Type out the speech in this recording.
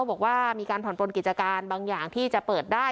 บอกว่ามีการผ่อนปลนกิจการบางอย่างที่จะเปิดได้